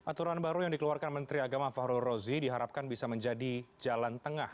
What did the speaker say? aturan baru yang dikeluarkan menteri agama fahrul rozi diharapkan bisa menjadi jalan tengah